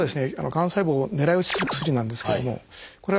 がん細胞を狙い撃ちする薬なんですけどもこれが使われた。